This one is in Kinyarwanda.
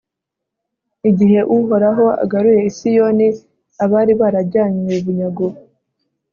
igihe uhoraho agaruye i siyoni abari barajyanywe bunyago